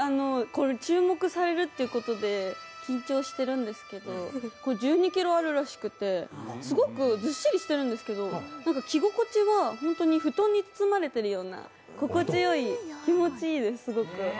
注目されるということで緊張しているんですけど１２ｋｇあるらしくて、すごくずっしりしてるんですけど着心地は本当に布団に包まれてるような心地よい、気持ちいいです、すごく。